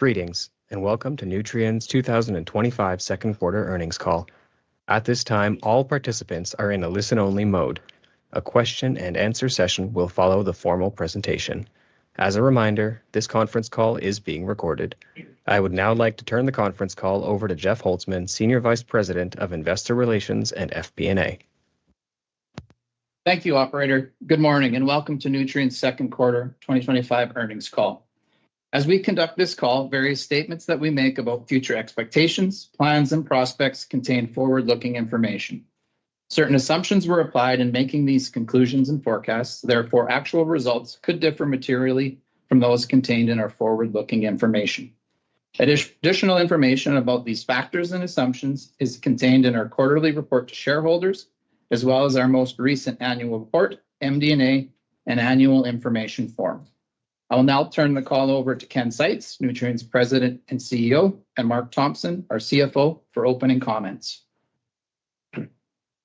Greetings, and welcome to Nutrien's 2025 second quarter earnings call. At this time, all participants are in a listen-only mode. A question-and-answer session will follow the formal presentation. As a reminder, this conference call is being recorded. I would now like to turn the conference call over to Jeff Holzman, Senior Vice President of Investor Relations at Nutrien. Thank you, Operator. Good morning and welcome to Nutrien's second quarter 2025 earnings call. As we conduct this call, various statements that we make about future expectations, plans, and prospects contain forward-looking information. Certain assumptions were applied in making these conclusions and forecasts, therefore, actual results could differ materially from those contained in our forward-looking information. Additional information about these factors and assumptions is contained in our quarterly report to shareholders, as well as our most recent annual report, MD&A, and annual information form. I will now turn the call over to Ken Seitz, Nutrien's President and CEO, and Mark Thompson, our CFO, for opening comments.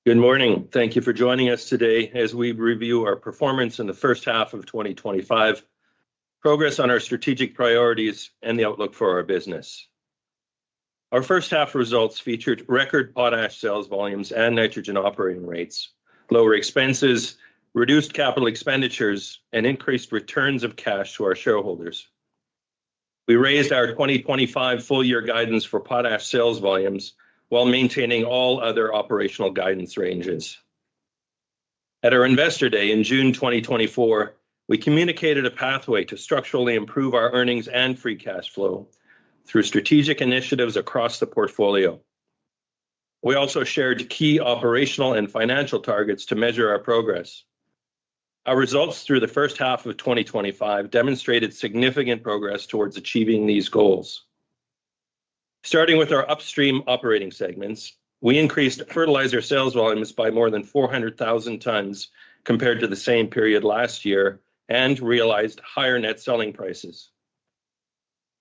Good morning. Thank you for joining us today as we review our performance in the first half of 2025, progress on our strategic priorities, and the outlook for our business. Our first half results featured record potash sales volumes and nitrogen operating rates, lower expenses, reduced capital expenditures, and increased returns of cash to our shareholders. We raised our 2025 full-year guidance for potash sales volumes while maintaining all other operational guidance ranges. At our Investor Day in June 2024, we communicated a pathway to structurally improve our earnings and free cash flow through strategic initiatives across the portfolio. We also shared key operational and financial targets to measure our progress. Our results through the first half of 2025 demonstrated significant progress towards achieving these goals. Starting with our upstream operating segments, we increased fertilizer sales volumes by more than 400,000 tons compared to the same period last year and realized higher net selling prices.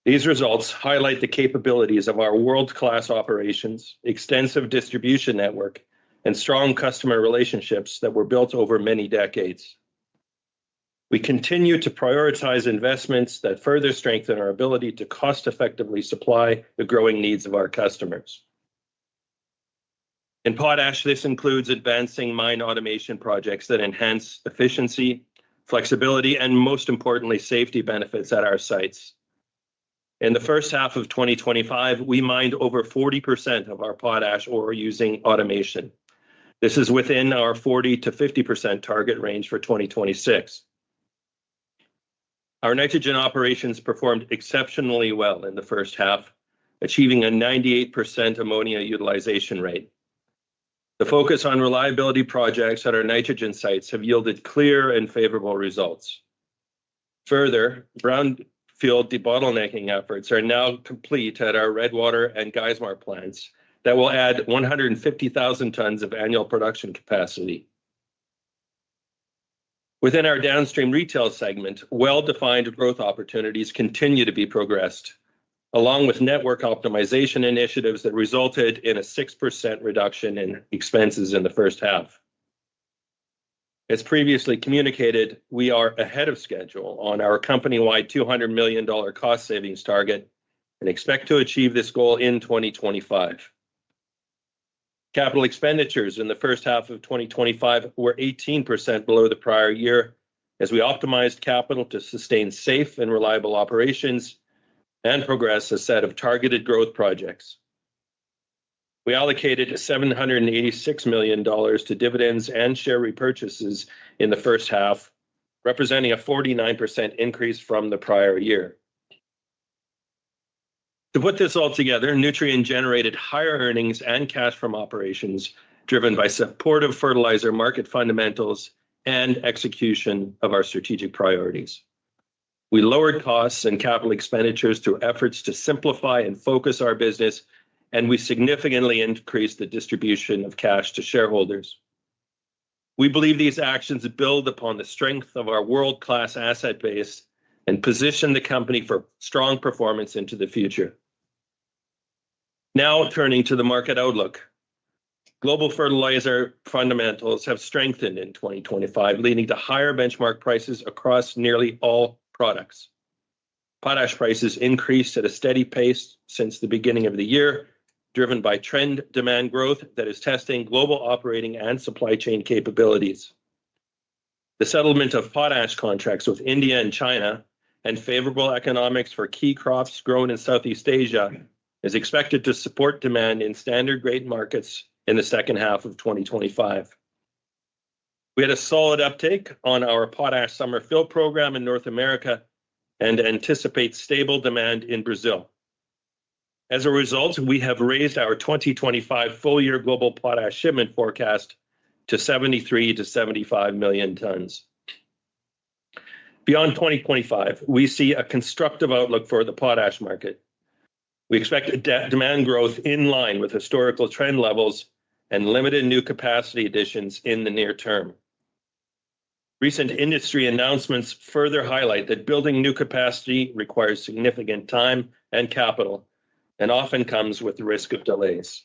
These results highlight the capabilities of our world-class operations, extensive distribution network, and strong customer relationships that were built over many decades. We continue to prioritize investments that further strengthen our ability to cost-effectively supply the growing needs of our customers. In potash, this includes advancing mine automation projects that enhance efficiency, flexibility, and most importantly, safety benefits at our sites. In the first half of 2025, we mined over 40% of our potash using automation. This is within our 40%-50% target range for 2026. Our nitrogen operations performed exceptionally well in the first half, achieving a 98% ammonia utilization rate. The focus on reliability projects at our nitrogen sites has yielded clear and favorable results. Further, ground-field de-bottlenecking efforts are now complete at our Redwater and Geismar plants that will add 150,000 tons of annual production capacity. Within our downstream retail segment, well-defined growth opportunities continue to be progressed, along with network optimization initiatives that resulted in a 6% reduction in expenses in the first half. As previously communicated, we are ahead of schedule on our company-wide $200 million cost-savings target and expect to achieve this goal in 2025. Capital expenditures in the first half of 2025 were 18% below the prior year as we optimized capital to sustain safe and reliable operations and progressed a set of targeted growth projects. We allocated $786 million to dividends and share repurchases in the first half, representing a 49% increase from the prior year. To put this all together, Nutrien generated higher earnings and cash from operations driven by supportive fertilizer market fundamentals and execution of our strategic priorities. We lowered costs and capital expenditures through efforts to simplify and focus our business, and we significantly increased the distribution of cash to shareholders. We believe these actions build upon the strength of our world-class asset base and position the company for strong performance into the future. Now turning to the market outlook, global fertilizer fundamentals have strengthened in 2025, leading to higher benchmark prices across nearly all products. Potash prices increased at a steady pace since the beginning of the year, driven by trend demand growth that is testing global operating and supply chain capabilities. The settlement of potash contracts with India and China and favorable economics for key crops grown in Southeast Asia is expected to support demand in standard-grade markets in the second half of 2025. We had a solid uptake on our potash summer field program in North America and anticipate stable demand in Brazil. As a result, we have raised our 2025 full-year global potash shipment forecast to 73 million-75 million tons. Beyond 2025, we see a constructive outlook for the potash market. We expect demand growth in line with historical trend levels and limited new capacity additions in the near term. Recent industry announcements further highlight that building new capacity requires significant time and capital and often comes with the risk of delays.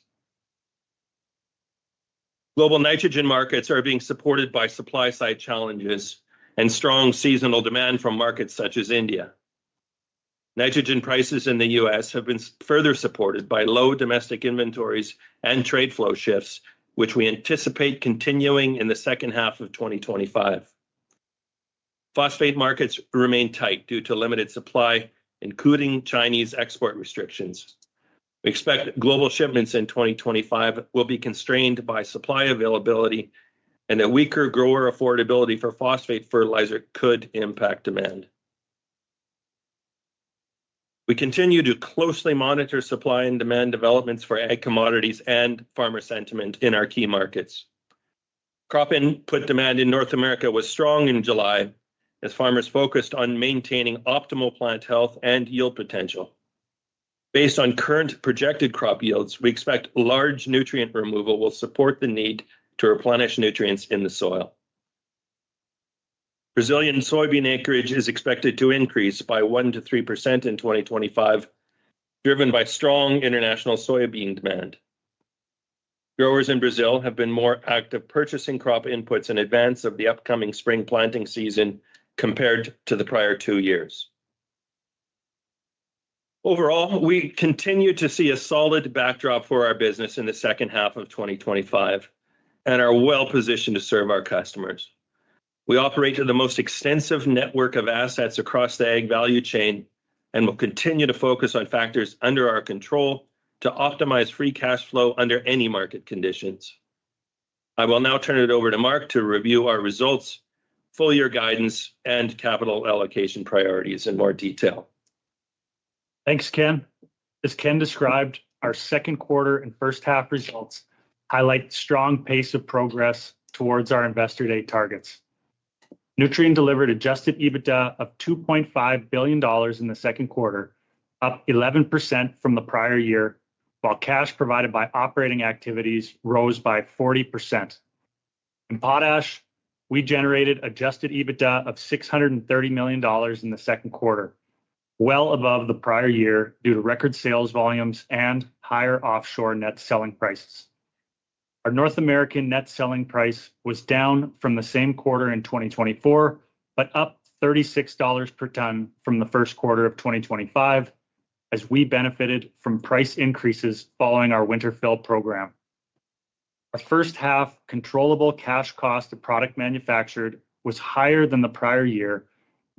Global nitrogen markets are being supported by supply-side challenges and strong seasonal demand from markets such as India. Nitrogen prices in the U.S. have been further supported by low domestic inventories and trade flow shifts, which we anticipate continuing in the second half of 2025. Phosphate markets remain tight due to limited supply, including Chinese export restrictions. We expect global shipments in 2025 will be constrained by supply availability, and a weaker grower affordability for phosphate fertilizer could impact demand. We continue to closely monitor supply and demand developments for ag commodities and farmer sentiment in our key markets. Crop input demand in North America was strong in July as farmers focused on maintaining optimal plant health and yield potential. Based on current projected crop yields, we expect large nutrient removal will support the need to replenish nutrients in the soil. Brazilian soybean acreage is expected to increase by 1%-3% in 2025, driven by strong international soybean demand. Growers in Brazil have been more active purchasing crop inputs in advance of the upcoming spring planting season compared to the prior two years. Overall, we continue to see a solid backdrop for our business in the second half of 2025 and are well-positioned to serve our customers. We operate in the most extensive network of assets across the ag value chain and will continue to focus on factors under our control to optimize free cash flow under any market conditions. I will now turn it over to Mark to review our results, full-year guidance, and capital allocation priorities in more detail. Thanks, Ken. As Ken described, our second quarter and first half results highlight a strong pace of progress towards our Investor Day targets. Nutrien delivered adjusted EBITDA of $2.5 billion in the second quarter, up 11% from the prior year, while cash provided by operating activities rose by 40%. In potash, we generated adjusted EBITDA of $630 million in the second quarter, well above the prior year due to record sales volumes and higher offshore net selling prices. Our North American net selling price was down from the same quarter in 2024, but up $36 per ton from the first quarter of 2025, as we benefited from price increases following our winter fill program. Our first half's controllable cash cost of product manufactured was higher than the prior year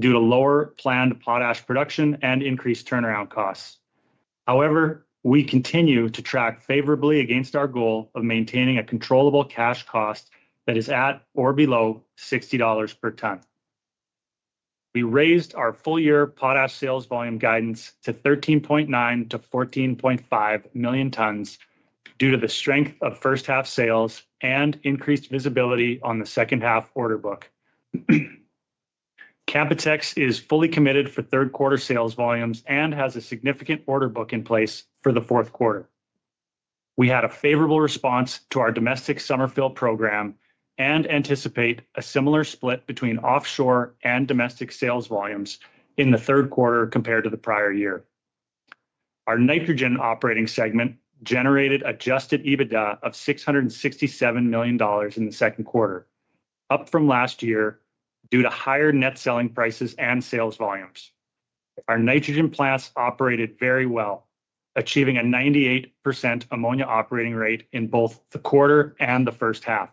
due to lower planned potash production and increased turnaround costs. However, we continue to track favorably against our goal of maintaining a controllable cash cost that is at or below $60 per ton. We raised our full-year potash sales volume guidance to 13.9 million-14.5 million tons due to the strength of first half sales and increased visibility on the second half order book. Canpotex is fully committed for third quarter sales volumes and has a significant order book in place for the fourth quarter. We had a favorable response to our domestic summer fill program and anticipate a similar split between offshore and domestic sales volumes in the third quarter compared to the prior year. Our nitrogen operating segment generated adjusted EBITDA of $667 million in the second quarter, up from last year due to higher net selling prices and sales volumes. Our nitrogen plants operated very well, achieving a 98% ammonia operating rate in both the quarter and the first half.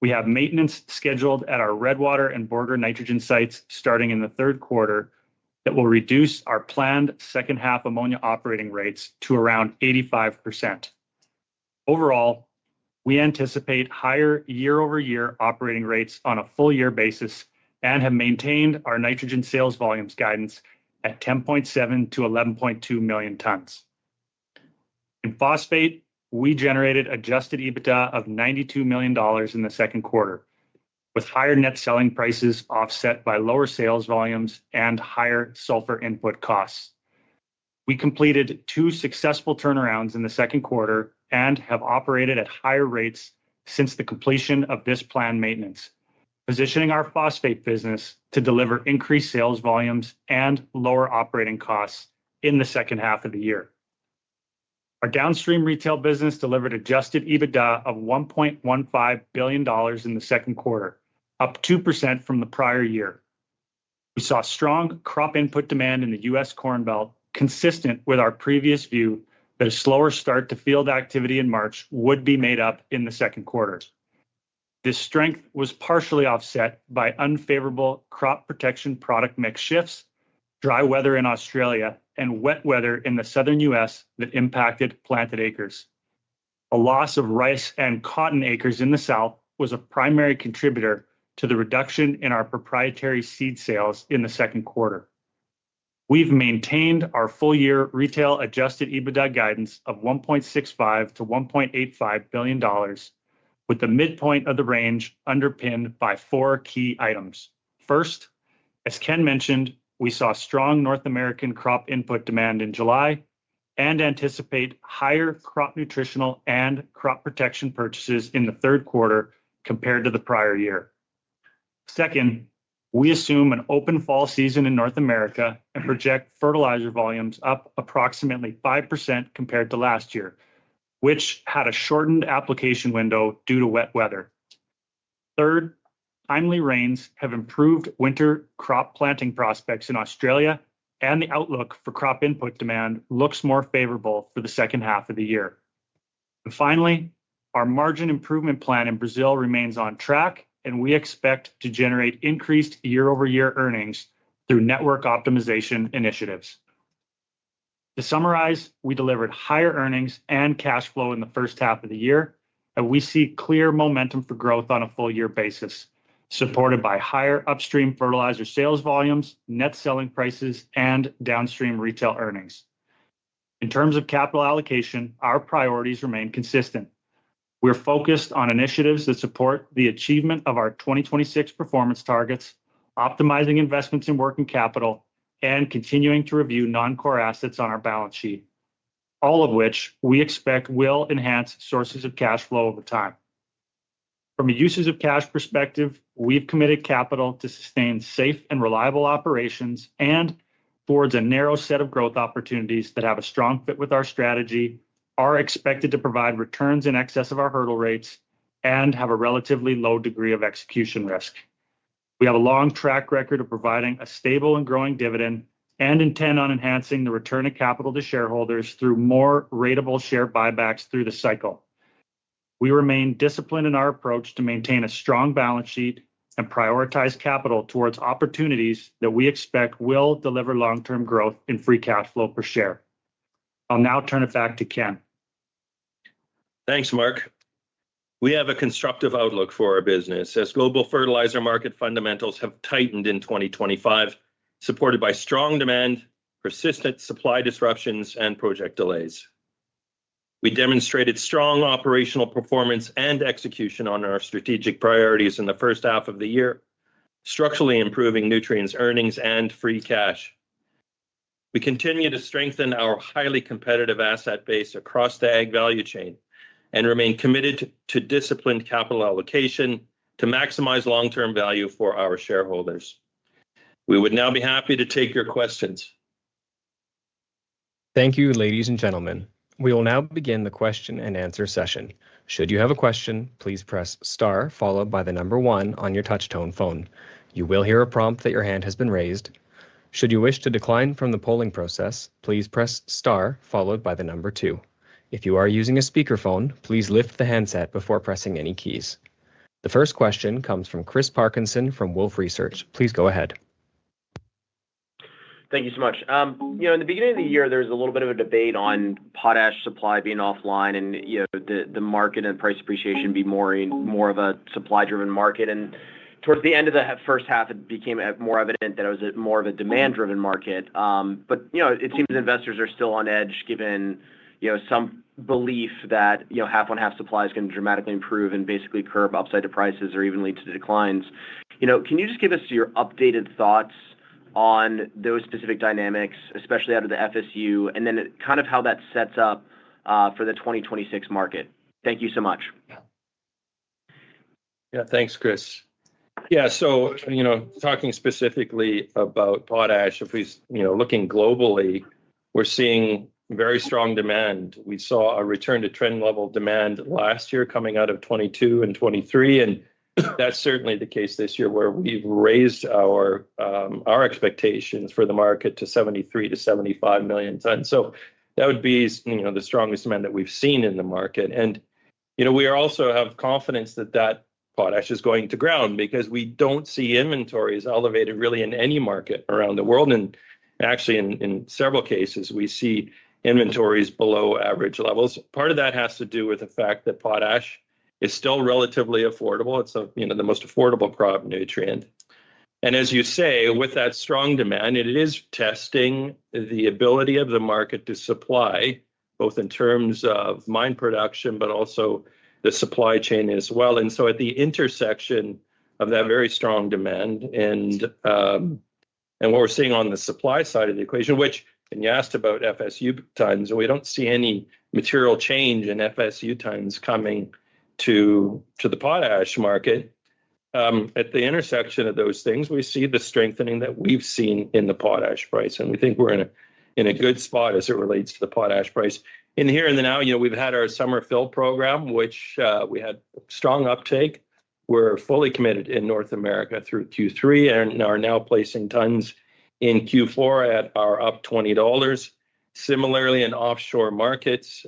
We have maintenance scheduled at our Redwater and Borger nitrogen sites starting in the third quarter that will reduce our planned second half ammonia operating rates to around 85%. Overall, we anticipate higher year-over-year operating rates on a full-year basis and have maintained our nitrogen sales volumes guidance at 10.7 million-11.2 million tons. In phosphate, we generated adjusted EBITDA of $92 million in the second quarter, with higher net selling prices offset by lower sales volumes and higher sulfur input costs. We completed two successful turnarounds in the second quarter and have operated at higher rates since the completion of this planned maintenance, positioning our phosphate business to deliver increased sales volumes and lower operating costs in the second half of the year. Our downstream retail business delivered adjusted EBITDA of $1.15 billion in the second quarter, up 2% from the prior year. We saw strong crop input demand in the U.S. Corn Belt, consistent with our previous view that a slower start to field activity in March would be made up in the second quarter. This strength was partially offset by unfavorable crop protection product mix shifts, dry weather in Australia, and wet weather in the southern U.S. that impacted planted acres. A loss of rice and cotton acres in the South was a primary contributor to the reduction in our proprietary seed sales in the second quarter. We've maintained our full-year retail adjusted EBITDA guidance of $1.65 million-$1.85 billion, with the midpoint of the range underpinned by four key items. First, as Ken mentioned, we saw strong North American crop input demand in July and anticipate higher crop nutritional and crop protection purchases in the third quarter compared to the prior year. Second, we assume an open fall season in North America and project fertilizer volumes up approximately 5% compared to last year, which had a shortened application window due to wet weather. Third, timely rains have improved winter crop planting prospects in Australia, and the outlook for crop input demand looks more favorable for the second half of the year. Finally, our margin improvement plan in Brazil remains on track, and we expect to generate increased year-over-year earnings through network optimization initiatives. To summarize, we delivered higher earnings and cash flow in the first half of the year, and we see clear momentum for growth on a full-year basis, supported by higher upstream fertilizer sales volumes, net selling prices, and downstream retail earnings. In terms of capital allocation, our priorities remain consistent. We're focused on initiatives that support the achievement of our 2026 performance targets, optimizing investments in working capital, and continuing to review non-core assets on our balance sheet, all of which we expect will enhance sources of cash flow over time. From a uses of cash perspective, we've committed capital to sustain safe and reliable operations and forge a narrow set of growth opportunities that have a strong fit with our strategy, are expected to provide returns in excess of our hurdle rates, and have a relatively low degree of execution risk. We have a long track record of providing a stable and growing dividend and intend on enhancing the return of capital to shareholders through more ratable share buybacks through the cycle. We remain disciplined in our approach to maintain a strong balance sheet and prioritize capital towards opportunities that we expect will deliver long-term growth in free cash flow per share. I'll now turn it back to Ken. Thanks, Mark. We have a constructive outlook for our business as global fertilizer market fundamentals have tightened in 2025, supported by strong demand, persistent supply disruptions, and project delays. We demonstrated strong operational performance and execution on our strategic priorities in the first half of the year, structurally improving Nutrien's earnings and free cash. We continue to strengthen our highly competitive asset base across the ag value chain and remain committed to disciplined capital allocation to maximize long-term value for our shareholders. We would now be happy to take your questions. Thank you, ladies and gentlemen. We will now begin the question-and-answer session. Should you have a question, please press star followed by the number one on your touch tone phone. You will hear a prompt that your hand has been raised. Should you wish to decline from the polling process, please press star followed by the number two. If you are using a speaker phone, please lift the handset before pressing any keys. The first question comes from Chris Parkinson from Wolfe Research. Please go ahead. Thank you so much. In the beginning of the year, there was a little bit of a debate on potash supply being offline and the market and the price appreciation being more of a supply-driven market. Towards the end of the first half, it became more evident that it was more of a demand-driven market. It seems investors are still on edge given some belief that half-on-half supply is going to dramatically improve and basically curb upside to prices or even lead to declines. Can you just give us your updated thoughts on those specific dynamics, especially out of the FSU, and then how that sets up for the 2026 market? Thank you so much. Yeah, thanks, Chris. Yeah, so, you know, talking specifically about potash, if we, you know, looking globally, we're seeing very strong demand. We saw a return to trend level demand last year coming out of 2022 and 2023, and that's certainly the case this year where we've raised our expectations for the market to 73 million-5 million tons. That would be, you know, the strongest demand that we've seen in the market. We also have confidence that that potash is going to ground because we don't see inventories elevated really in any market around the world. Actually, in several cases, we see inventories below average levels. Part of that has to do with the fact that potash is still relatively affordable. It's, you know, the most affordable crop nutrient. As you say, with that strong demand, it is testing the ability of the market to supply both in terms of mine production, but also the supply chain as well. At the intersection of that very strong demand and what we're seeing on the supply side of the equation, which, and you asked about FSU tons, we don't see any material change in FSU tons coming to the potash market. At the intersection of those things, we see the strengthening that we've seen in the potash price, and we think we're in a good spot as it relates to the potash price. In the here and the now, we've had our summer fill program, which we had strong uptake. We're fully committed in North America through Q3 and are now placing tons in Q4 at our up $20. Similarly, in offshore markets,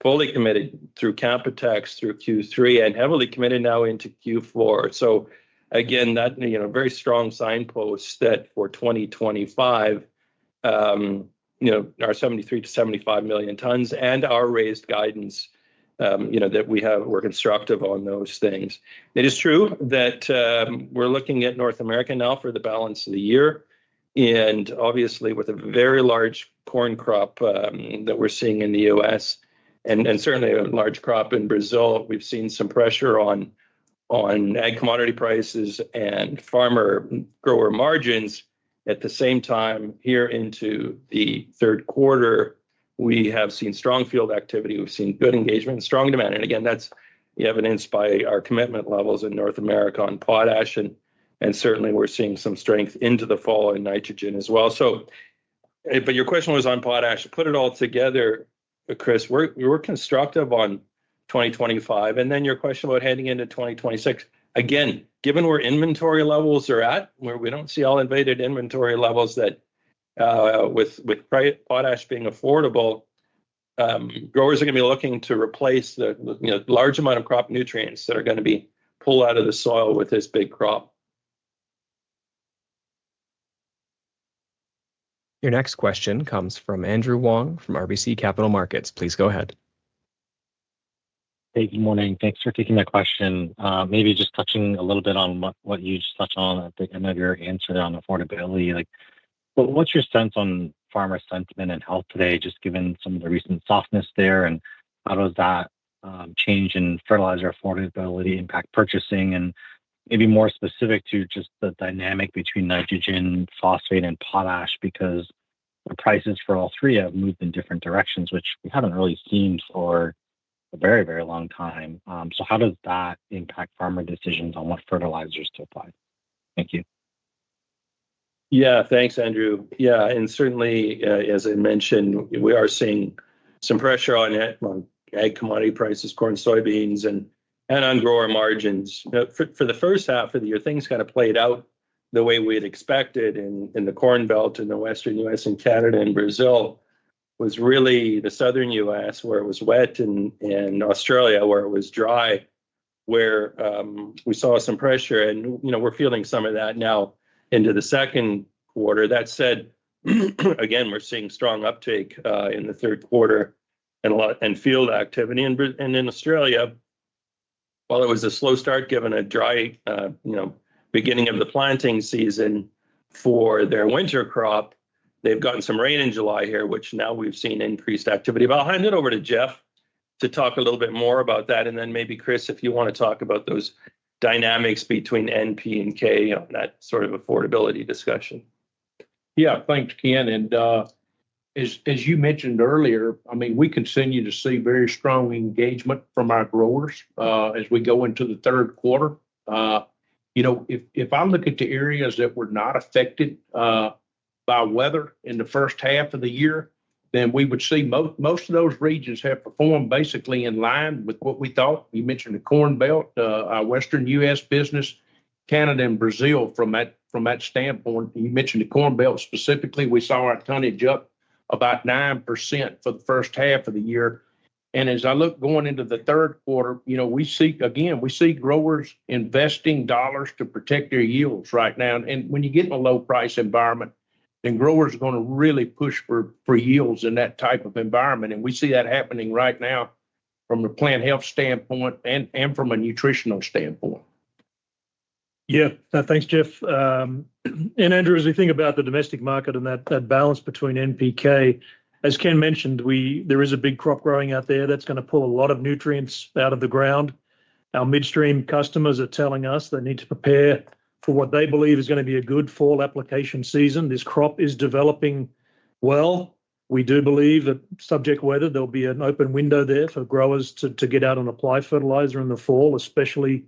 fully committed through Canpotex through Q3 and heavily committed now into Q4. Again, that, you know, very strong signposts that for 2025, our 73 million-75 million tons and our raised guidance, you know, that we have, we're constructive on those things. It is true that we're looking at North America now for the balance of the year. Obviously, with a very large corn crop that we're seeing in the U.S. and certainly a large crop in Brazil, we've seen some pressure on ag commodity prices and farmer grower margins. At the same time, here into the third quarter, we have seen strong field activity. We've seen good engagement and strong demand. Again, that's the evidence by our commitment levels in North America on potash. Certainly, we're seeing some strength into the fall in nitrogen as well. Your question was on potash. To put it all together, Chris, we're constructive on 2025. Your question about handing into 2026, again, given where inventory levels are at, we don't see elevated inventory levels that, with potash being affordable, growers are going to be looking to replace the large amount of crop nutrients that are going to be pulled out of the soil with this big crop. Your next question comes from Andrew Wong from RBC Capital Markets. Please go ahead. Hey, good morning. Thanks for taking that question. Maybe just touching a little bit on what you just touched on at the end of your answer there on affordability. What's your sense on farmer sentiment and health today, just given some of the recent softness there? How does that change in fertilizer affordability impact purchasing? Maybe more specific to just the dynamic between nitrogen, phosphate, and potash, because the prices for all three have moved in different directions, which we haven't really seen for a very, very long time. How does that impact farmer decisions on what fertilizers to apply? Thank you. Yeah, thanks, Andrew. Certainly, as I mentioned, we are seeing some pressure on ag commodity prices, corn, soybeans, and on grower margins. For the first half of the year, things kind of played out the way we'd expected. In the Corn Belt, in the Western U.S. and Canada, and Brazil, it was really the Southern U.S. where it was wet and Australia where it was dry, where we saw some pressure. We're feeling some of that now into the second quarter. That said, we're seeing strong uptake in the third quarter and field activity. In Australia, while it was a slow start given a dry beginning of the planting season for their winter crop, they've gotten some rain in July here, which now we've seen increased activity. I'll hand it over to Jeff to talk a little bit more about that. Maybe Chris, if you want to talk about those dynamics between N, P, and K on that sort of affordability discussion. Yeah, thanks, Ken. As you mentioned earlier, we continue to see very strong engagement from our growers as we go into the third quarter. If I look at the areas that were not affected by weather in the first half of the year, we would see most of those regions have performed basically in line with what we thought. You mentioned the Corn Belt, our Western U.S. business, Canada, and Brazil from that standpoint. You mentioned the Corn Belt specifically. We saw our tonnage up about 9% for the first half of the year. As I look going into the third quarter, we see growers investing dollars to protect their yields right now. When you get in a low-price environment, growers are going to really push for yields in that type of environment. We see that happening right now from a plant health standpoint and from a nutritional standpoint. Yeah, thanks, Jeff. And Andrew, as we think about the domestic market and that balance between NPK, as Ken mentioned, there is a big crop growing out there that's going to pull a lot of nutrients out of the ground. Our midstream customers are telling us they need to prepare for what they believe is going to be a good fall application season. This crop is developing well. We do believe that subject to weather, there'll be an open window there for growers to get out and apply fertilizer in the fall, especially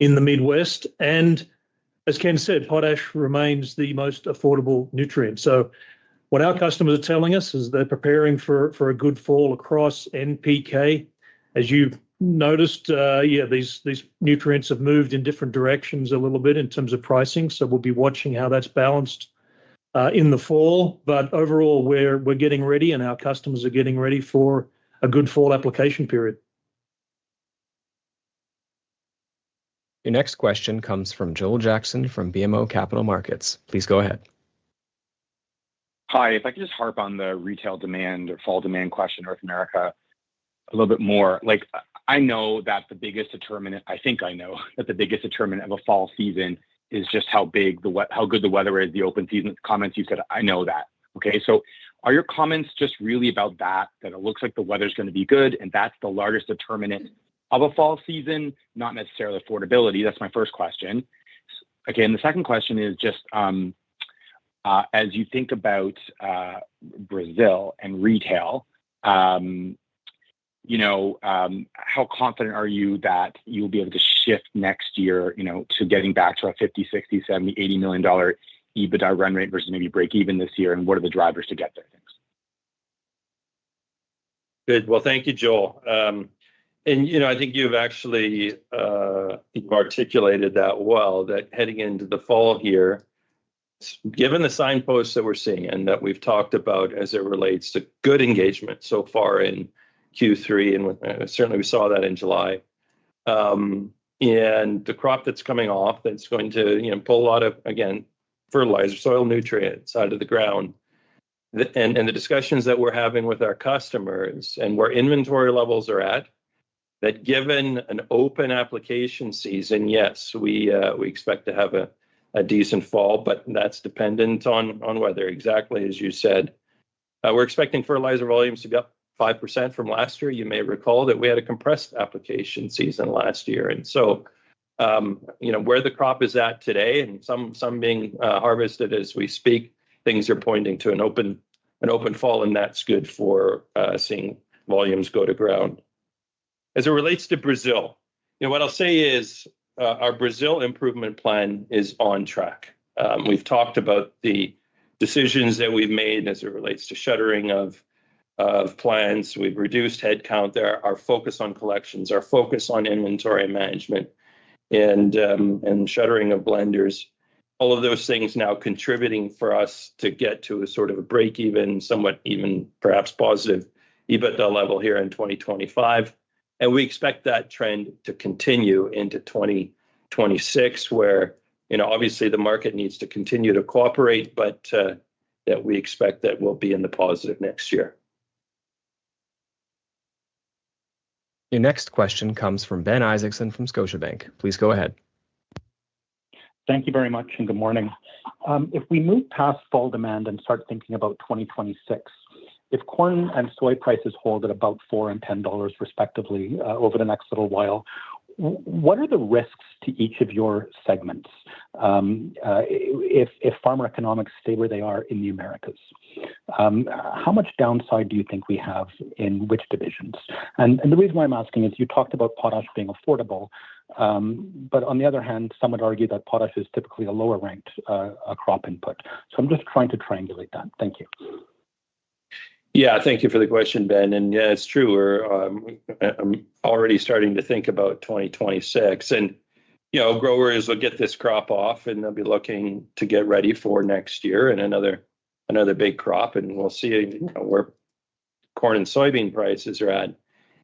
in the Midwest. As Ken said, potash remains the most affordable nutrient. What our customers are telling us is they're preparing for a good fall across NPK. As you've noticed, these nutrients have moved in different directions a little bit in terms of pricing. We'll be watching how that's balanced in the fall. Overall, we're getting ready and our customers are getting ready for a good fall application period. Your next question comes from Joel Jackson from BMO Capital Markets. Please go ahead. Hi, if I could just harp on the retail demand or fall demand question in North America a little bit more. I know that the biggest determinant, I think I know that the biggest determinant of a fall season is just how good the weather is, the open season comments you said. I know that. Are your comments just really about that, that it looks like the weather's going to be good and that's the largest determinant of a fall season, not necessarily affordability? That's my first question. The second question is just as you think about Brazil and retail, how confident are you that you'll be able to shift next year to getting back to a $50 million, $60 million, $70 million, $80 million EBITDA run rate versus maybe break even this year? What are the drivers to get there next? Thank you, Joel. I think you've actually articulated that well, that heading into the fall here, given the signposts that we're seeing and that we've talked about as it relates to good engagement so far in Q3, and certainly we saw that in July. The crop that's coming off is going to pull a lot of, again, fertilizer, soil nutrients out of the ground. The discussions that we're having with our customers and where inventory levels are at, that given an open application season, yes, we expect to have a decent fall, but that's dependent on weather. Exactly as you said, we're expecting fertilizer volumes to be up 5% from last year. You may recall that we had a compressed application season last year. Where the crop is at today, and some being harvested as we speak, things are pointing to an open fall, and that's good for seeing volumes go to ground. As it relates to Brazil, what I'll say is our Brazil improvement plan is on track. We've talked about the decisions that we've made as it relates to shuttering of plants. We've reduced headcount. There is focus on collections, our focus on inventory management, and shuttering of blenders. All of those things now contributing for us to get to a sort of a break even, somewhat even perhaps positive EBITDA level here in 2025. We expect that trend to continue into 2026, where obviously the market needs to continue to cooperate, but we expect that we'll be in the positive next year. Your next question comes from Ben Isaacson from Scotiabank. Please go ahead. Thank you very much, and good morning. If we move past fall demand and start thinking about 2026, if corn and soy prices hold at about $4 and $10 respectively over the next little while, what are the risks to each of your segments? If farmer economics stay where they are in the Americas, how much downside do you think we have in which divisions? The reason why I'm asking is you talked about potash being affordable, but on the other hand, some would argue that potash is typically a lower ranked crop input. I'm just trying to triangulate that. Thank you. Yeah, thank you for the question, Ben. Yeah, it's true. I'm already starting to think about 2026. You know, growers will get this crop off and they'll be looking to get ready for next year and another big crop. We'll see where corn and soybean prices are at.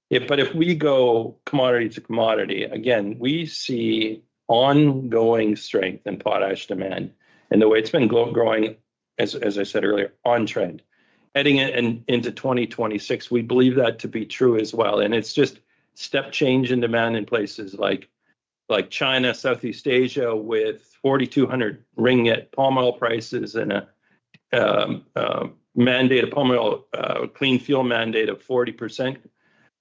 If we go commodity to commodity, again, we see ongoing strength in potash demand. The way it's been growing, as I said earlier, on trend. Heading into 2026, we believe that to be true as well. It's just step change in demand in places like China, Southeast Asia, with 4,200 ringgit palm oil prices and a mandate, a palm oil clean fuel mandate of 40%,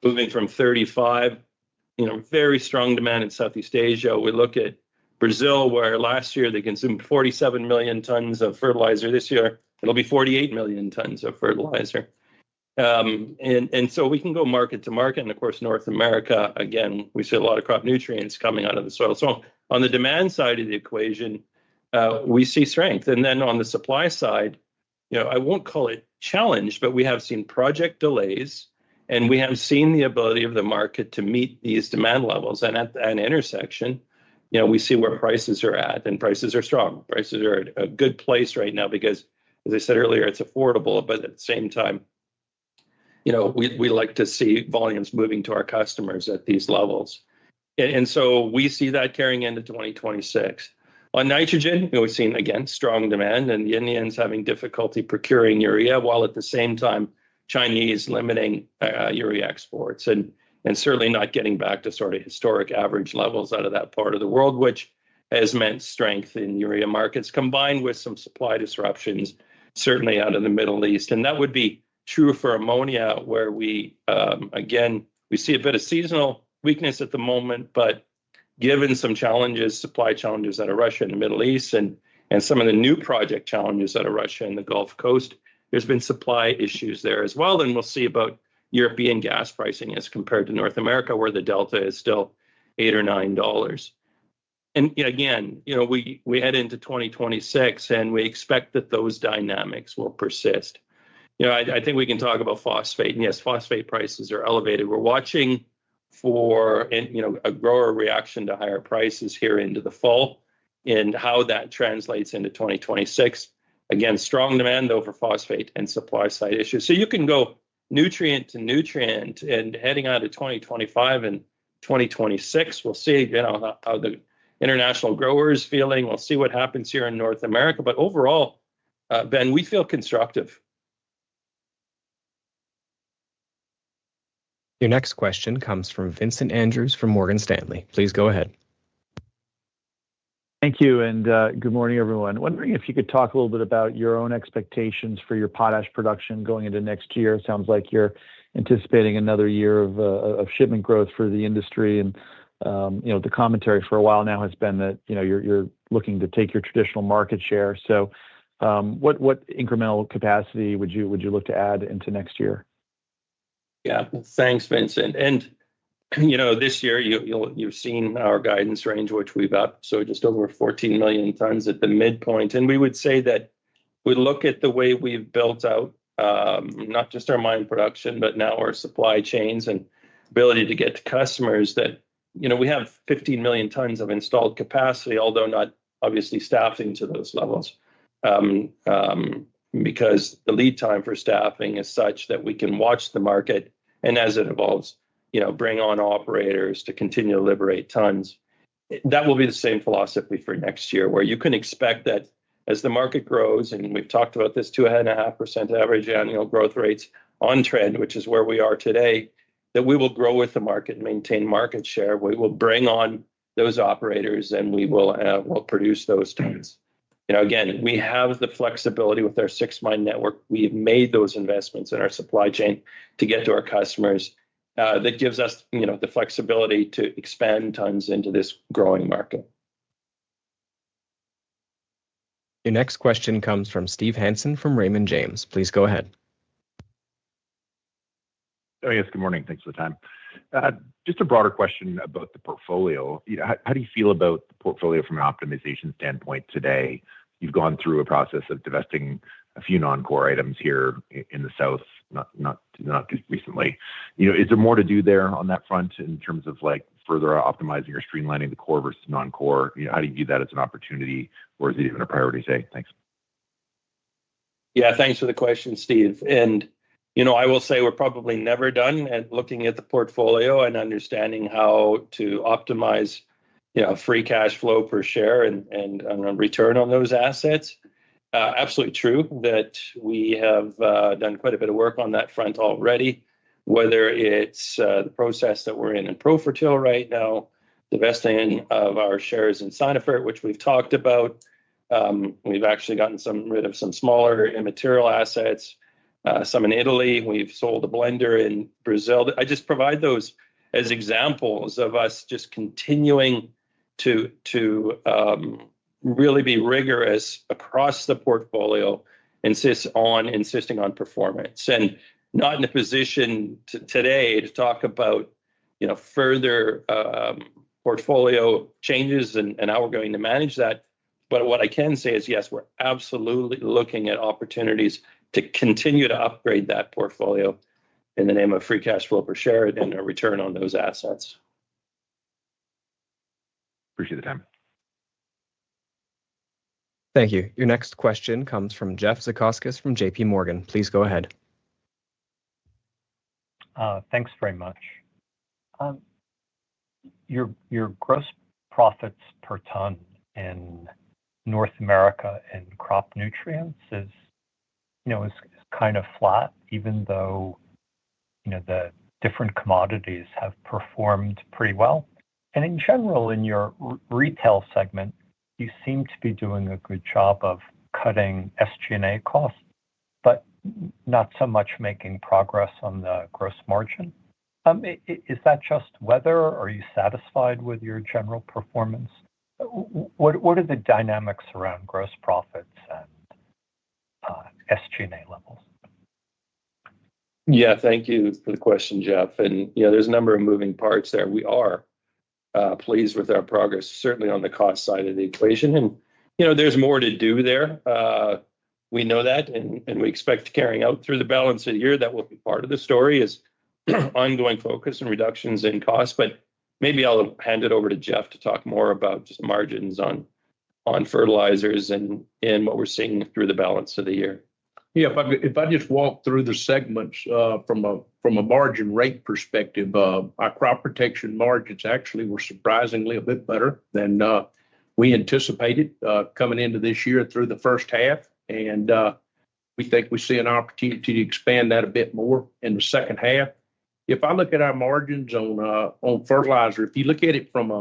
moving from 35%. Very strong demand in Southeast Asia. We look at Brazil, where last year they consumed 47 million tons of fertilizer. This year, it'll be 48 million tons of fertilizer. We can go market to market. Of course, North America, again, we see a lot of crop nutrients coming out of the soil. On the demand side of the equation, we see strength. On the supply side, I won't call it challenged, but we have seen project delays, and we have seen the ability of the market to meet these demand levels. At that intersection, we see where prices are at, and prices are strong. Prices are at a good place right now because, as I said earlier, it's affordable. At the same time, we like to see volumes moving to our customers at these levels. We see that carrying into 2026. On nitrogen, we've seen again strong demand, and the Indians having difficulty procuring urea, while at the same time Chinese limiting urea exports and certainly not getting back to sort of historic average levels out of that part of the world, which has meant strength in urea markets combined with some supply disruptions, certainly out of the Middle East. That would be true for ammonia, where we, again, we see a bit of seasonal weakness at the moment. Given some challenges, supply challenges that are rushing in the Middle East and some of the new project challenges that are rushing in the Gulf Coast, there's been supply issues there as well. We'll see about European gas pricing as compared to North America, where the delta is still $8 or $9. Again, we head into 2026, and we expect that those dynamics will persist. I think we can talk about phosphate. Yes, phosphate prices are elevated. We're watching for a grower reaction to higher prices here into the fall and how that translates into 2026. Again, strong demand over phosphate and supply side issues. You can go nutrient to nutrient and heading out of 2025 and 2026. We'll see how the international grower is feeling. We'll see what happens here in North America. Overall, Ben, we feel constructive. Your next question comes from Vincent Andrews from Morgan Stanley. Please go ahead. Thank you, and good morning, everyone. I'm wondering if you could talk a little bit about your own expectations for your potash production going into next year. It sounds like you're anticipating another year of shipment growth for the industry. The commentary for a while now has been that you're looking to take your traditional market share. What incremental capacity would you look to add into next year? Yeah, thanks, Vincent. This year, you've seen our guidance range, which we've upped to just over 14 million tons at the midpoint. We would say that we look at the way we've built out not just our mine production, but now our supply chains and ability to get to customers. We have 15 million tons of installed capacity, although not obviously staffing to those levels, because the lead time for staffing is such that we can watch the market and, as it evolves, bring on operators to continue to liberate tons. That will be the same philosophy for next year, where you can expect that as the market grows, and we've talked about this 2.5% average annual growth rates on trend, which is where we are today, that we will grow with the market and maintain market share. We will bring on those operators, and we will produce those tons. We have the flexibility with our six-mile network. We've made those investments in our supply chain to get to our customers. That gives us the flexibility to expand tons into this growing market. Your next question comes from Steve Hansen from Raymond James. Please go ahead. Oh, yes, good morning. Thanks for the time. Just a broader question about the portfolio. How do you feel about the portfolio from an optimization standpoint today? You've gone through a process of divesting a few non-core items here in the South, not recently. Is there more to do there on that front in terms of further optimizing or streamlining the core versus non-core? How do you view that as an opportunity? Where is it even a priority today? Thanks. Yeah, thanks for the question, Steve. I will say we're probably never done at looking at the portfolio and understanding how to optimize, you know, free cash flow per share and return on those assets. Absolutely true that we have done quite a bit of work on that front already, whether it's the process that we're in in Profertil right now, divesting of our shares in Sinofert, which we've talked about. We've actually gotten rid of some smaller immaterial assets, some in Italy. We've sold a blender in Brazil. I just provide those as examples of us just continuing to really be rigorous across the portfolio, insisting on performance. I'm not in a position today to talk about, you know, further portfolio changes and how we're going to manage that. What I can say is, yes, we're absolutely looking at opportunities to continue to upgrade that portfolio in the name of free cash flow per share and a return on those assets. Appreciate the time. Thank you. Your next question comes from Jeffrey Zekauskas from JPMorgan. Please go ahead. Thanks very much. Your gross profits per ton in North America in crop nutrients is, you know, kind of flat, even though, you know, the different commodities have performed pretty well. In general, in your retail segment, you seem to be doing a good job of cutting SG&A costs, but not so much making progress on the gross margin. Is that just weather? Are you satisfied with your general performance? What are the dynamics around gross profits at SG&A levels? Thank you for the question, Jeff. There are a number of moving parts there. We are pleased with our progress, certainly on the cost side of the equation. There is more to do there. We know that, and we expect carrying out through the balance of the year. That will be part of the story, ongoing focus and reductions in cost. Maybe I'll hand it over to Jeff to talk more about just margins on fertilizers and what we're seeing through the balance of the year. Yeah, if I just walk through the segment from a margin rate perspective, our crop protection margins actually were surprisingly a bit better than we anticipated coming into this year through the first half. We think we see an opportunity to expand that a bit more in the second half. If I look at our margins on fertilizer, if you look at it from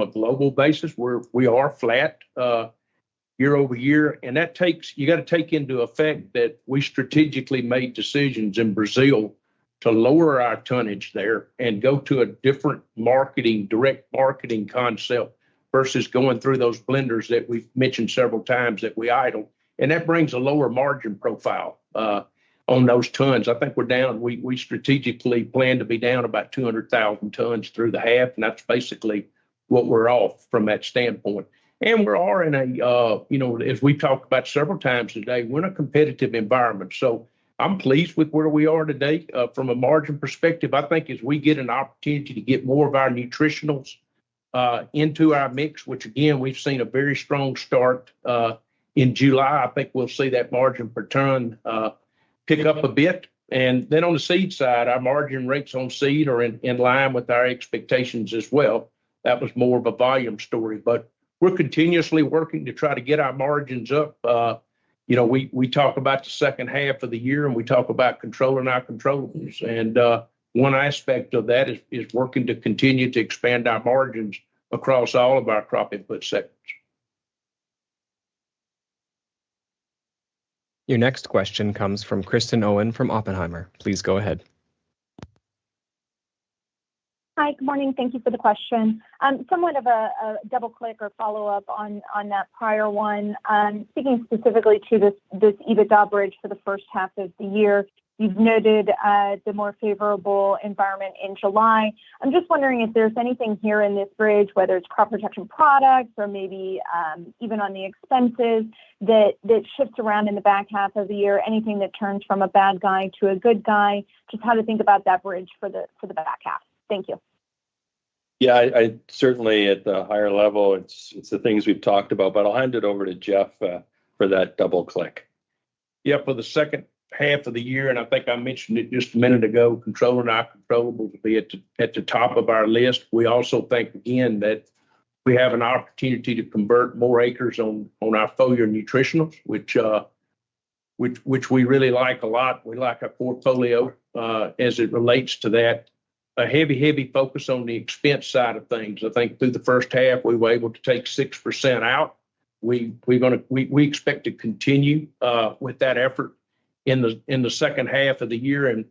a global basis, we are flat year-over-year. That takes, you got to take into effect that we strategically made decisions in Brazil to lower our tonnage there and go to a different marketing, direct marketing concept versus going through those blenders that we've mentioned several times that we idle. That brings a lower margin profile on those tons. I think we're down, we strategically plan to be down about 200,000 tons through the half. That's basically what we're off from that standpoint. We are in a, you know, as we've talked about several times today, we're in a competitive environment. I'm pleased with where we are today. From a margin perspective, I think as we get an opportunity to get more of our nutritionals into our mix, which again, we've seen a very strong start in July, I think we'll see that margin per ton pick up a bit. On the seed side, our margin rates on seed are in line with our expectations as well. That was more of a volume story, but we're continuously working to try to get our margins up. We talk about the second half of the year and we talk about controlling our controls. One aspect of that is working to continue to expand our margins across all of our crop input segments. Your next question comes from Kristen Owen from Oppenheimer. Please go ahead. Hi, good morning. Thank you for the question. Somewhat of a double click or follow-up on that prior one. Speaking specifically to this EBITDA bridge for the first half of the year, you've noted the more favorable environment in July. I'm just wondering if there's anything here in this bridge, whether it's crop protection products or maybe even on the expenses that shifts around in the back half of the year, anything that turns from a bad guy to a good guy, just how to think about that bridge for the back half. Thank you. Yeah, certainly at the higher level, it's the things we've talked about, but I'll hand it over to Jeff for that double click. Yeah, for the second half of the year, and I think I mentioned it just a minute ago, controlling our controllable at the top of our list. We also think, again, that we have an opportunity to convert more acres on our foliar nutritionals, which we really like a lot. We like our portfolio as it relates to that. A heavy, heavy focus on the expense side of things. I think through the first half, we were able to take 6% out. We expect to continue with that effort in the second half of the year.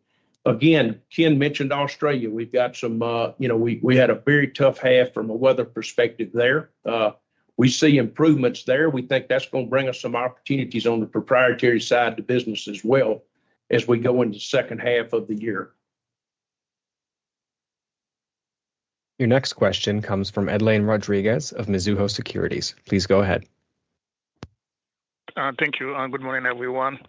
Ken mentioned Australia. We've got some, you know, we had a very tough half from a weather perspective there. We see improvements there. We think that's going to bring us some opportunities on the proprietary side of the business as well as we go into the second half of the year. Your next question comes from Edlain Rodriguez of Mizuho. Please go ahead. Thank you. Good morning, everyone.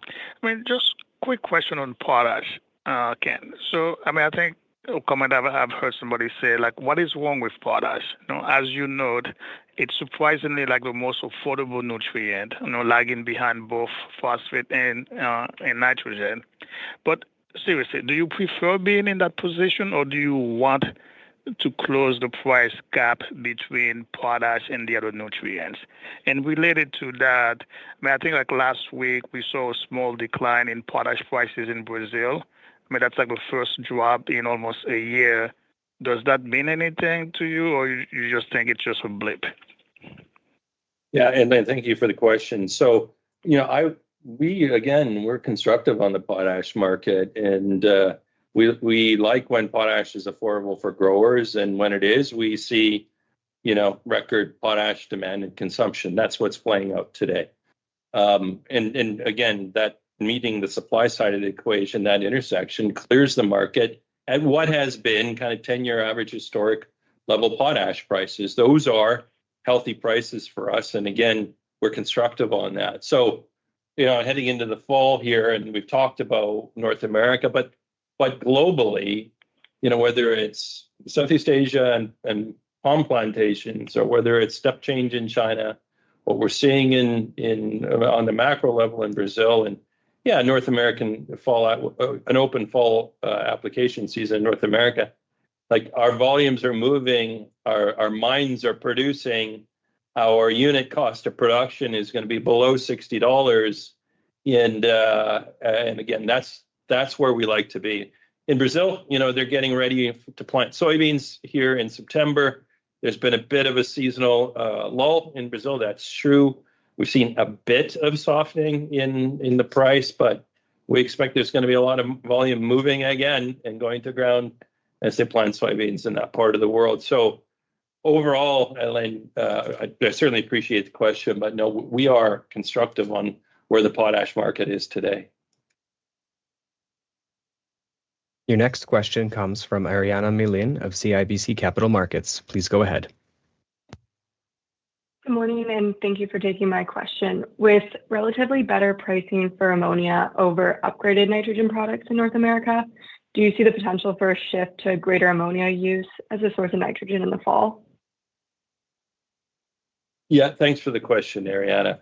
Just a quick question on potash, Ken. I think a comment I've heard somebody say is, what is wrong with potash? As you know, it's surprisingly the most affordable nutrient, lagging behind both phosphate and nitrogen. Seriously, do you prefer being in that position or do you want to close the price gap between potash and the other nutrients? Related to that, I think last week we saw a small decline in potash prices in Brazil. That's the first drop in almost a year. Does that mean anything to you or do you just think it's just a blip? Yeah, Edlain, thank you for the question. We are constructive on the potash market and we like when potash is affordable for growers and when it is, we see record potash demand and consumption. That's what's playing out today. Meeting the supply side of the equation, that intersection clears the market at what has been kind of 10-year average historic level potash prices. Those are healthy prices for us. We are constructive on that. Heading into the fall here, and we've talked about North America, but globally, whether it's Southeast Asia and palm plantations or whether it's step change in China, what we're seeing on the macro level in Brazil and North America, an open fall application season in North America, our volumes are moving, our mines are producing, our unit cost of production is going to be below $60. That's where we like to be. In Brazil, they're getting ready to plant soybeans here in September. There's been a bit of a seasonal lull in Brazil. That's true. We've seen a bit of softening in the price, but we expect there's going to be a lot of volume moving again and going to ground as they plant soybeans in that part of the world. Overall, I certainly appreciate the question, but no, we are constructive on where the potash market is today. Your next question comes from Ariana Milin of CIBC Capital Markets. Please go ahead. Good morning, and thank you for taking my question. With relatively better pricing for ammonia over upgraded nitrogen products in North America, do you see the potential for a shift to greater ammonia use as a source of nitrogen in the fall? Yeah, thanks for the question, Ariana.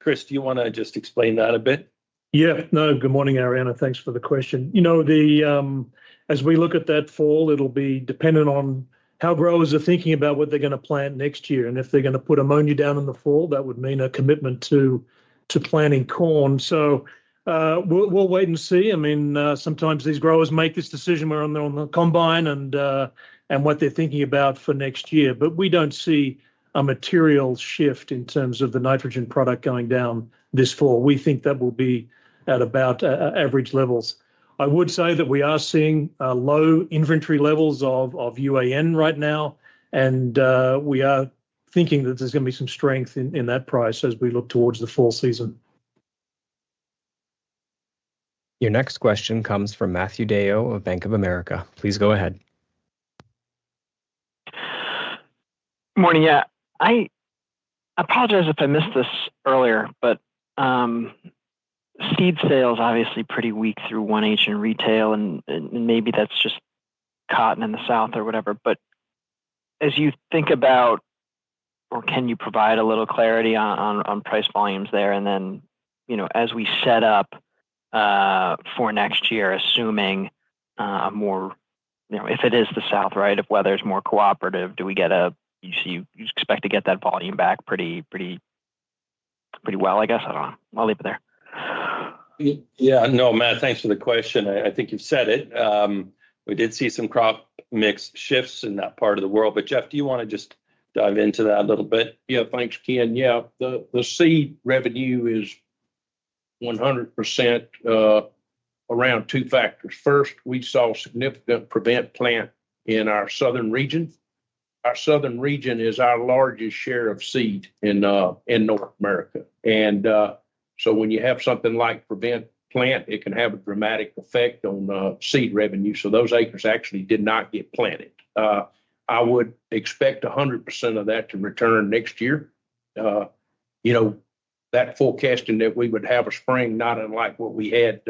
Chris, do you want to just explain that a bit? Yeah, no, good morning, Ariana. Thanks for the question. As we look at that fall, it'll be dependent on how growers are thinking about what they're going to plant next year. If they're going to put ammonia down in the fall, that would mean a commitment to planting corn. We'll wait and see. Sometimes these growers make this decision while they're on the combine and what they're thinking about for next year. We don't see a material shift in terms of the nitrogen product going down this fall. We think that will be at about average levels. I would say that we are seeing low inventory levels of UAN right now, and we are thinking that there's going to be some strength in that price as we look towards the fall season. Your next question comes from Matthew DeYoe of Bank of America. Please go ahead. Morning. I apologize if I missed this earlier, but retail is obviously pretty weak through 1H, and maybe that's just cotton in the South or whatever. As you think about, or can you provide a little clarity on price volumes there? As we set up for next year, assuming a more, if it is the South, right, if weather is more cooperative, do you expect to get that volume back pretty well, I guess? I don't know. I'll leave it there. Yeah, no, Matt. Thanks for the question. I think you've said it. We did see some crop mix shifts in that part of the world. Jeff, do you want to just dive into that a little bit? Yeah, thanks, Ken. The seed revenue is 100% around two factors. First, we saw significant Prevent Plant in our southern region. Our southern region is our largest share of seed in North America, and when you have something like Prevent Plant, it can have a dramatic effect on seed revenue. Those acres actually did not get planted. I would expect 100% of that to return next year, forecasting that we would have a spring not unlike what we had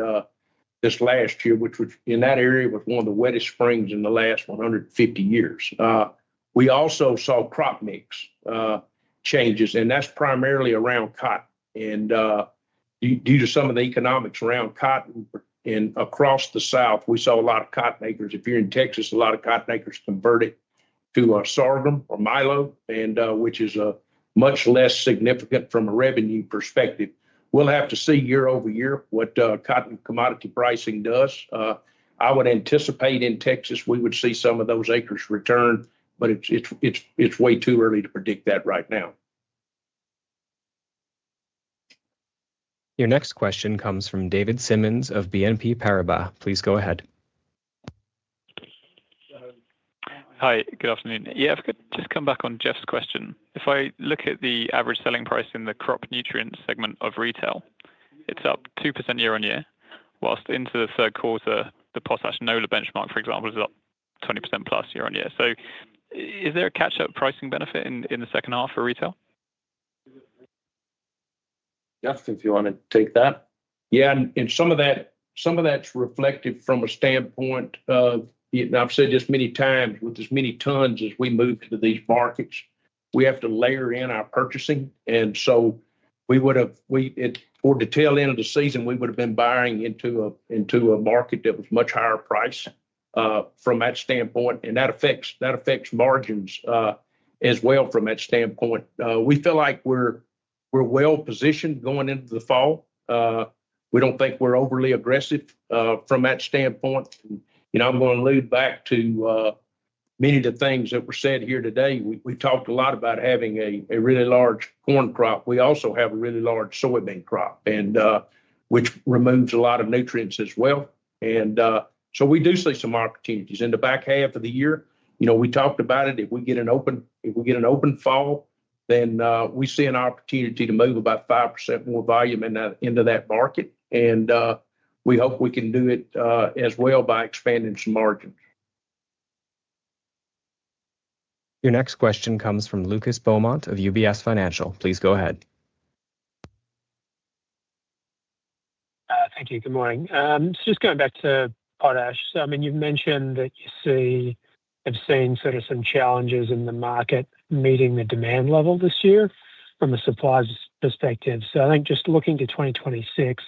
this last year, which in that area was one of the wettest springs in the last 150 years. We also saw crop mix changes, and that's primarily around cotton. Due to some of the economics around cotton and across the South, we saw a lot of cotton acres. If you're in Texas, a lot of cotton acres converted to sorghum or milo, which is much less significant from a revenue perspective. We'll have to see year-over-year what cotton commodity pricing does. I would anticipate in Texas, we would see some of those acres return, but it's way too early to predict that right now. Your next question comes from David Simmons of BNP Paribas. Please go ahead. Hi, good afternoon. I've just come back on Jeff's question. If I look at the average selling price in the crop nutrient segment of retail, it's up 2% year on year, whilst into the third quarter, the potash NOLA benchmark, for example, is up 20%+ year on year. Is there a catch-up pricing benefit in the second half for retail? Justin, do you want to take that? Yeah, and some of that is reflected from a standpoint of, I've said this many times, with as many tons as we move to these markets, we have to layer in our purchasing. We would have, for the tail end of the season, been buying into a market that was much higher priced from that standpoint. That affects margins as well from that standpoint. We feel like we're well positioned going into the fall. We don't think we're overly aggressive from that standpoint. I'm going to allude back to many of the things that were said here today. We talked a lot about having a really large corn crop. We also have a really large soybean crop, which removes a lot of nutrients as well. We do see some opportunities in the back half of the year. We talked about it. If we get an open fall, then we see an opportunity to move about 5% more volume into that market. We hope we can do it as well by expanding some margin. Your next question comes from Lucas Beaumont of UBS. Please go ahead. Thank you. Good morning. Just going back to potash, you've mentioned that you have seen sort of some challenges in the market meeting the demand level this year from a supply perspective. I think just looking to 2026,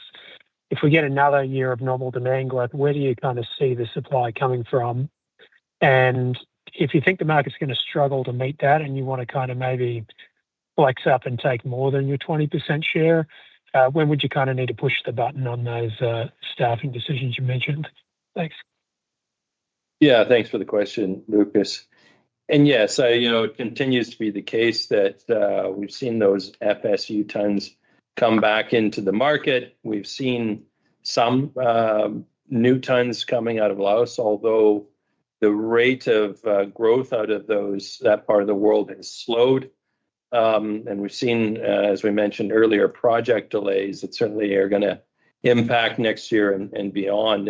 if we get another year of normal demand growth, where do you kind of see the supply coming from? If you think the market's going to struggle to meet that and you want to maybe flex up and take more than your 20% share, when would you kind of need to push the button on those staffing decisions you mentioned? Thanks. Yeah, thanks for the question, Lucas. It continues to be the case that we've seen those FSU tons come back into the market. We've seen some new tons coming out of Laos, although the rate of growth out of that part of the world has slowed. We've seen, as we mentioned earlier, project delays that certainly are going to impact next year and beyond.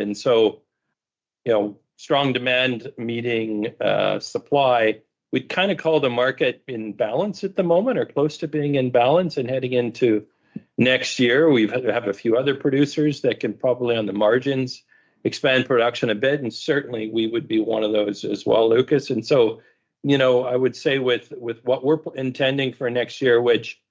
Strong demand meeting supply, we'd kind of call the market in balance at the moment or close to being in balance and heading into next year. We have a few other producers that can probably on the margins expand production a bit, and certainly we would be one of those as well, Lucas. I would say with what we're intending for next year, which,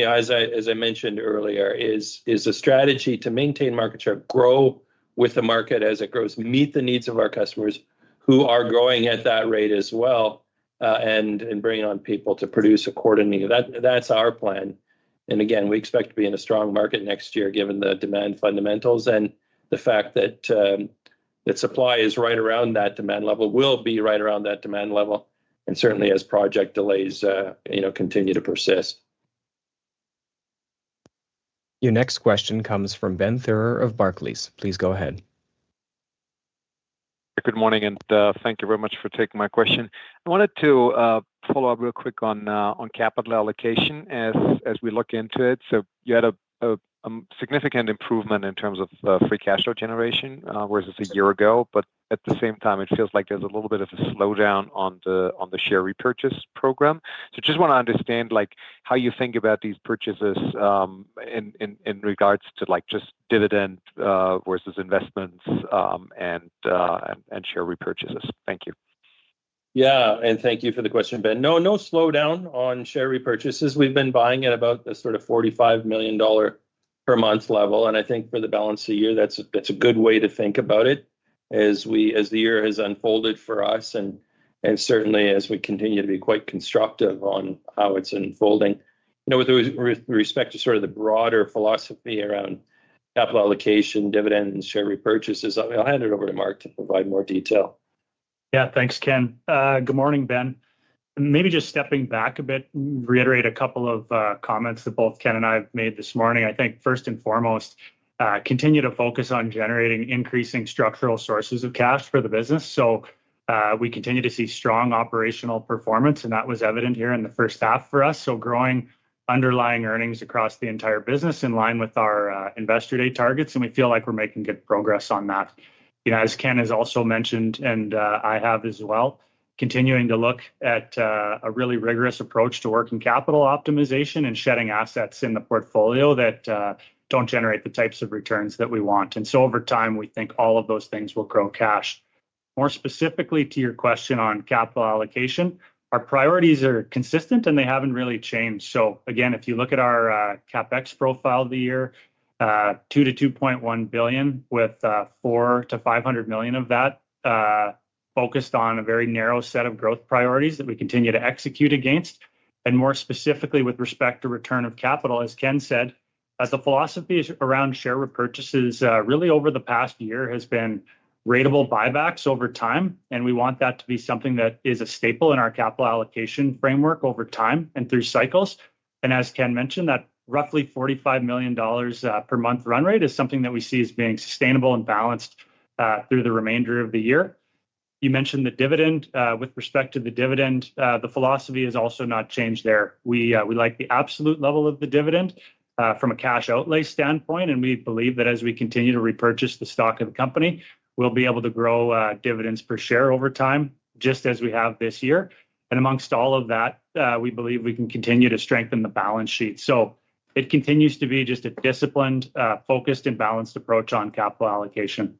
as I mentioned earlier, is a strategy to maintain market share, grow with the market as it grows, meet the needs of our customers who are growing at that rate as well, and bring on people to produce accordingly. That's our plan. We expect to be in a strong market next year given the demand fundamentals and the fact that the supply is right around that demand level, will be right around that demand level, and certainly as project delays continue to persist. Your next question comes from Ben Theurer of Barclays. Please go ahead. Good morning, and thank you very much for taking my question. I wanted to follow up real quick on capital allocation as we look into it. You had a significant improvement in terms of free cash flow generation versus a year ago, but at the same time, it feels like there's a little bit of a slowdown on the share repurchase program. I just want to understand how you think about these purchases in regards to just dividend versus investments and share repurchases. Thank you. Thank you for the question, Ben. No slowdown on share repurchases. We've been buying at about the $45 million per month level. I think for the balance of the year, that's a good way to think about it as the year has unfolded for us and certainly as we continue to be quite constructive on how it's unfolding. With respect to the broader philosophy around capital allocation, dividends, and share repurchases, I'll hand it over to Mark to provide more detail. Yeah, thanks, Ken. Good morning, Ben. Maybe just stepping back a bit and reiterate a couple of comments that both Ken and I have made this morning. I think first and foremost, continue to focus on generating increasing structural sources of cash for the business. We continue to see strong operational performance, and that was evident here in the first half for us. Growing underlying earnings across the entire business in line with our investor day targets, and we feel like we're making good progress on that. As Ken has also mentioned, and I have as well, continuing to look at a really rigorous approach to working capital optimization and shedding assets in the portfolio that don't generate the types of returns that we want. Over time, we think all of those things will grow cash. More specifically to your question on capital allocation, our priorities are consistent and they haven't really changed. If you look at our CapEx profile of the year, $2 billion-$2.1 billion with $400 million-$500 million of that focused on a very narrow set of growth priorities that we continue to execute against. More specifically with respect to return of capital, as Ken said, the philosophy around share repurchases really over the past year has been ratable buybacks over time. We want that to be something that is a staple in our capital allocation framework over time and through cycles. As Ken mentioned, that roughly $45 million per month run rate is something that we see as being sustainable and balanced through the remainder of the year. You mentioned the dividend. With respect to the dividend, the philosophy has also not changed there. We like the absolute level of the dividend from a cash outlay standpoint, and we believe that as we continue to repurchase the stock of the company, we'll be able to grow dividends per share over time, just as we have this year. Amongst all of that, we believe we can continue to strengthen the balance sheet. It continues to be just a disciplined, focused, and balanced approach on capital allocation.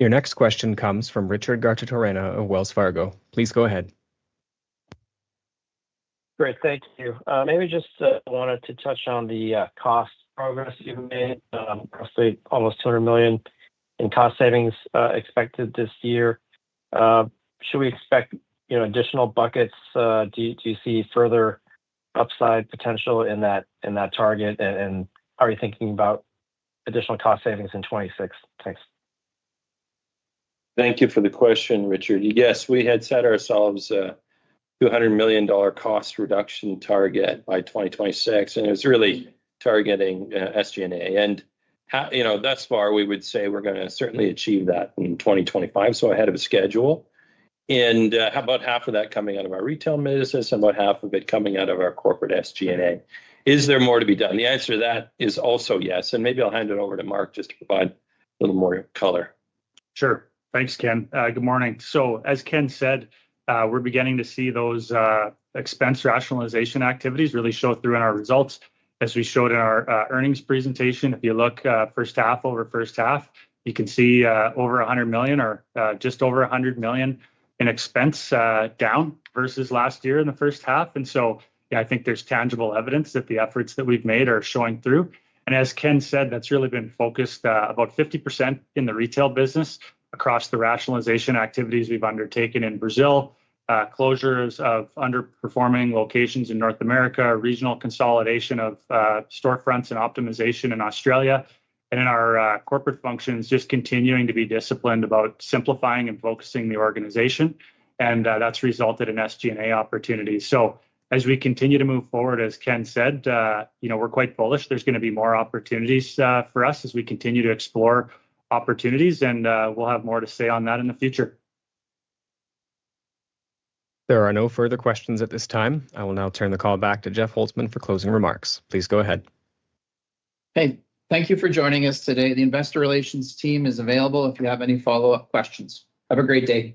Your next question comes from Richard Garchitorena of Wells Fargo. Please go ahead. Great, thank you. Maybe just wanted to touch on the cost progress that you've made, roughly almost $200 million in cost savings expected this year. Should we expect additional buckets? Do you see further upside potential in that target? Are you thinking about additional cost savings in 2026? Thanks. Thank you for the question, Richard. Yes, we had set ourselves a $200 million cost reduction target by 2026, and it was really targeting SG&A. Thus far we would say we're going to certainly achieve that in 2025, ahead of schedule. About half of that coming out of our retail business and about half of it coming out of our corporate SG&A. Is there more to be done? The answer to that is also yes. Maybe I'll hand it over to Mark just to provide a little more color. Sure. Thanks, Ken. Good morning. As Ken said, we're beginning to see those expense rationalization activities really show through in our results, as we showed in our earnings presentation. If you look first half over first half, you can see over $100 million or just over $100 million in expense down versus last year in the first half. I think there's tangible evidence that the efforts that we've made are showing through. As Ken said, that's really been focused about 50% in the retail business across the rationalization activities we've undertaken in Brazil, closures of underperforming locations in North America, regional consolidation of storefronts, and optimization in Australia. In our corporate functions, just continuing to be disciplined about simplifying and focusing the organization. That's resulted in SG&A opportunities. As we continue to move forward, as Ken said, we're quite bullish. There's going to be more opportunities for us as we continue to explore opportunities, and we'll have more to say on that in the future. There are no further questions at this time. I will now turn the call back to Jeff Holzman for closing remarks. Please go ahead. Thank you for joining us today. The Investor Relations team is available if you have any follow-up questions. Have a great day.